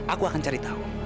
aku akan cari tahu